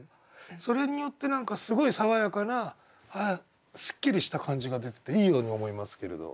それによって何かすごい爽やかなすっきりした感じが出てていいように思いますけれど。